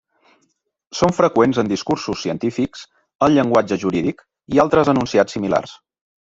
Són freqüents en discursos científics, al llenguatge jurídic i altres enunciats similars.